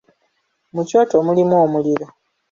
Mu kyoto mulimu omuliro.